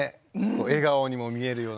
笑顔にも見えるような。